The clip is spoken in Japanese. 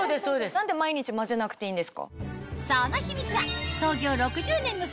何で毎日混ぜなくていいんですか？